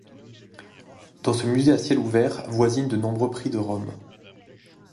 Dans ce musée à ciel ouvert voisinent de nombreux prix de Rome.